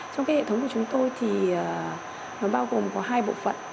trong cái hệ thống của chúng tôi thì nó bao gồm có hai bộ phận